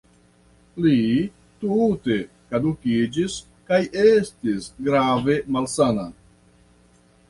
Li tute kadukiĝis kaj estis grave malsana.